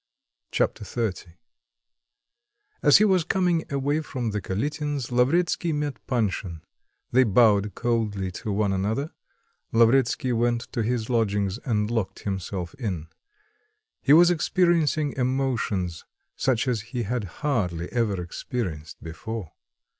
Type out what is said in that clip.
Chapter XXX As he was coming away from the Kalitins, Lavretsky met Panshin; they bowed coldly to one another. Lavretsky went to his lodgings, and locked himself in. He was experiencing emotions such as he had hardly ever experienced before.